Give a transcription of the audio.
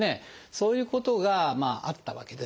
そういうことがあったわけです。